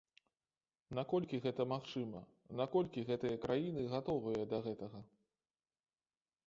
Наколькі гэта магчыма, наколькі гэтыя краіны гатовыя да гэтага?